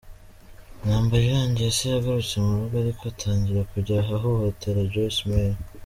Intambara irangiye, se yagarutse mu rugo ariko atangira kujya ahohotera Joyce Meyer.